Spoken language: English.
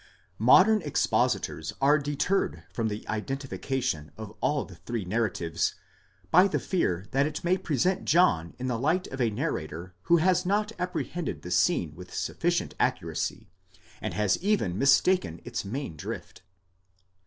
Modern expositors are deterred from the identification of all the three narratives, by the fear that it may present John in the light of a narrator who has not apprehended the scene with sufficient accuracy, and has even mis taken its main drift?